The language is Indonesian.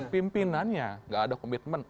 pimpinannya nggak ada komitmen